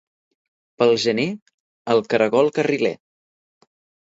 Pel gener, el caragol carriler.